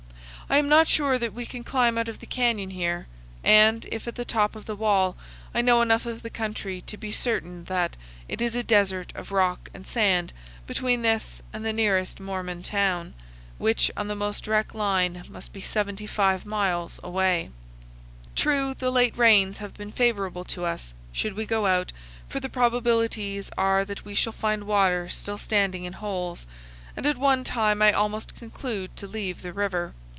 I am not sure that we can climb out of the canyon here, and, if at the top of the wall, I know enough of the country to be certain that it is a desert of rock and sand between this and the nearest Mormon town, which, on the most direct line, must be 75 miles away. True, the late rains have been favorable to us, should we go out, for the probabilities are that we shall find water still standing in holes; and at one time I almost conclude to leave the river.